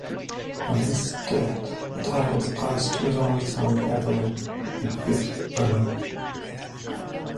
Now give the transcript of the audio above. On his death the titles passed to his only son Evelyn, the fifth Earl.